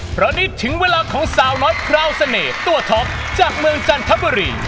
เพราะนี่ถึงเวลาของสาวน้อยพราวเสน่ห์ตัวท็อปจากเมืองจันทบุรี